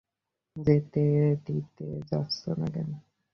যেতে দিতে যাচ্ছো না কেন?